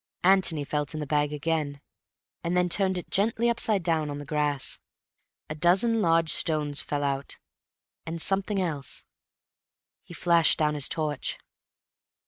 Antony felt in the bag again, and then turned it gently upside down on the grass. A dozen large stones fell out—and something else. He flashed down his torch.